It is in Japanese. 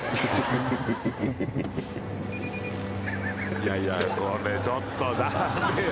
いやいやこれちょっと駄目よ。